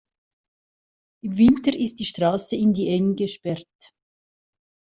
Im Winter ist die Straße in die Eng gesperrt.